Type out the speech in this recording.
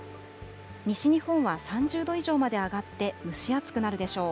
西日本は３０度以上まで上がって蒸し暑くなるでしょう。